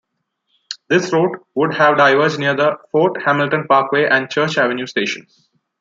This route would have diverged near the Fort Hamilton Parkway and Church Avenue stations.